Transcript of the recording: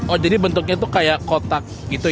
oh jadi bentuknya tuh kayak kotak gitu